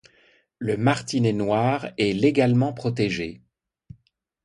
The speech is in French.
Le martinet noir est légalement protégé.